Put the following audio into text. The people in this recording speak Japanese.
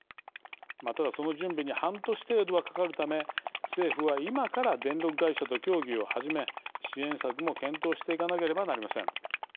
または、その準備に半年程度はかかるため政府は今から電力会社と協議を始め支援策も検討していかなければなりません。